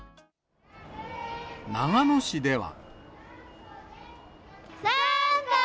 長野市では。